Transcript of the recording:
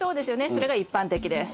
それが一般的です。